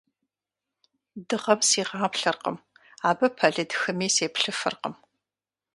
Дыгъэм сигъаплъэркъым, абы пэлыд хыми сеплъыфыркъым.